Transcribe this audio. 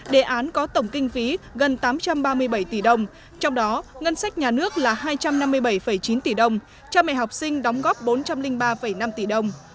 đề án có tổng kinh phí gần tám trăm ba mươi bảy tỷ đồng trong đó ngân sách nhà nước là hai trăm năm mươi bảy chín tỷ đồng cho mẹ học sinh đóng góp bốn trăm linh ba năm tỷ đồng